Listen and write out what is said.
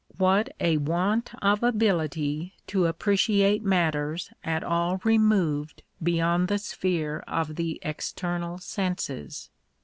What a want of ability to appreciate matters at all removed beyond the sphere of the external senses!